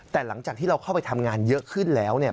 แต่หลังจากที่เราเข้าไปทำงานเยอะขึ้นแล้วเนี่ย